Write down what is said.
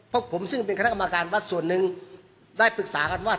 พวกผมซึ่งเป็นคณะกรรมการวัดส่วนหนึ่งได้ปรึกษากันว่า